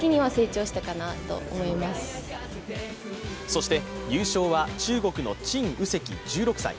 そして優勝は中国の陳芋汐１６歳。